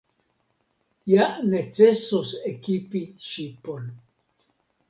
Ja necesos ekipi ŝipon.